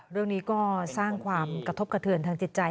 เรื่องนี้ก็สร้างความกระทบกระเทือนทางจิตใจ